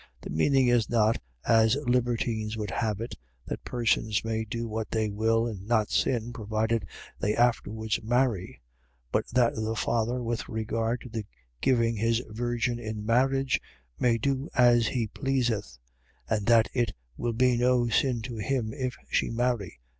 .The meaning is not, as libertines would have it, that persons may do what they will and not sin, provided they afterwards marry; but that the father, with regard to the giving his virgin in marriage, may do as he pleaseth; and that it will be no sin to him if she marry.